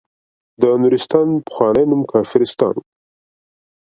د نورستان پخوانی نوم کافرستان وه.